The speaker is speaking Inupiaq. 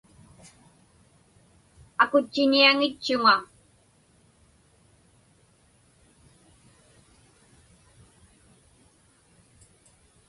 Akutchiñiaŋitchuŋa.